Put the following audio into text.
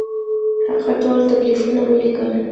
هغه ټول تکلیفونه ولیکل.